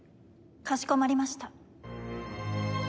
かしこまりました。